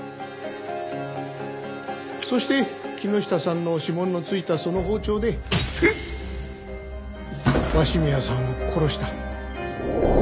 そして木下さんの指紋のついたその包丁で鷲宮さんを殺した。